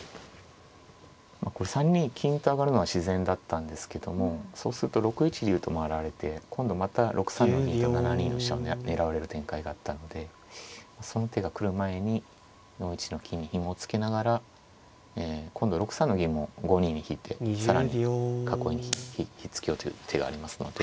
これ３二金と上がるのは自然だったんですけどもそうすると６一竜と回られて今度また６三の銀と７二の飛車を狙われる展開があったのでその手が来る前に４一の金にひもを付けながら今度６三の銀も５二に引いて更に囲いに引き付けようという手がありますので。